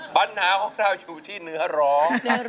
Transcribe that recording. ปัญหาของเราอยู่ที่เนื้อร้อง